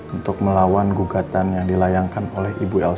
untuk melawan gugatan yang dilayangkan oleh ibu lp